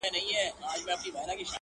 دادی اوس هم کومه؛ بيا کومه؛ بيا کومه؛